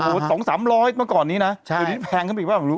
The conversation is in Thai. อ่าฮะโหสองสามร้อยเมื่อก่อนนี้น่ะใช่อันนี้แพงขึ้นไปอีกบ้างผมรู้